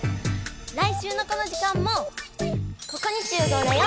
来週のこの時間もここに集合だよ！